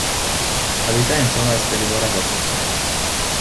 Habita en zonas de litoral rocoso.